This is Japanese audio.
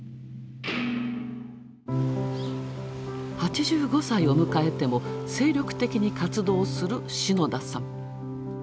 ８５歳を迎えても精力的に活動する篠田さん。